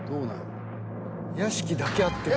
屋敷だけ合ってる。